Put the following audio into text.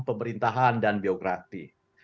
pemerintahan dan biografi